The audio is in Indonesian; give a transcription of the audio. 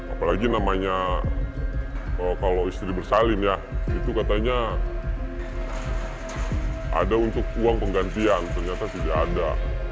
apalagi namanya kalau istri bersalim ya itu katanya ada untuk uang penggantian ternyata sudah ada